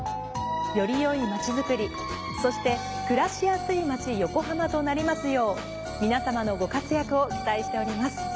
より良いまちづくりそして暮らしやすい街横浜となりますよう皆様のご活躍を期待しております。